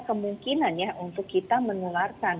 kemungkinan ya untuk kita menularkan